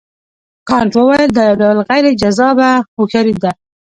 کانت وویل دا یو ډول غیر جذابه هوښیاري ده.